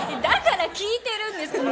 だから聞いてるんです。